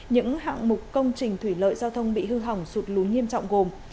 những hạng mục công trình thủy lợi giao thông bị hư hỏng sụt lún nghiêm trọng gồm